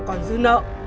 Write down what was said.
còn dư nợ